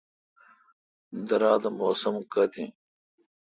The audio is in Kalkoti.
درا تہ موسم کت این